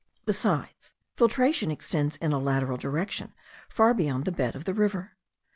Besides, filtration extends in a lateral direction far beyond the bed of the river.